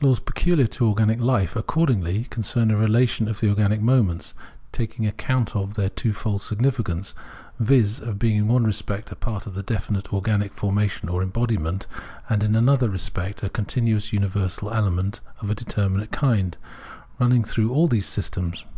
Laws pecuhar to organic life, accordingly, concern a relation of the organic moments, taking account of their two fold significance — viz. of being in one respect a part of definite organic formation or embodiment, and ia another respect a continuous universal element of a determinate kind, running through all those systems.